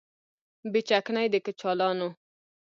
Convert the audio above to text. بې چکنۍ د کچالانو